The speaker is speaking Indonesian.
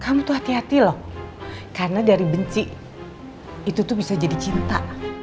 kamu tuh hati hati loh karena dari benci itu tuh bisa jadi cinta